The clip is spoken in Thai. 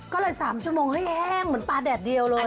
ก็เลย๓ชั่วโมงเฮ้ยแห้งเหมือนปลาแดดเดียวเลย